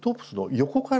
横から。